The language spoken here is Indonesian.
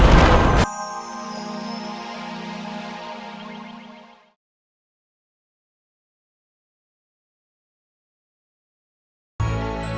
v reduction yang gerejek dari kekuatan